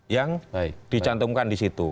yang dicantumkan di situ